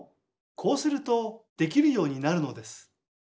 こうするとできるようになるのです。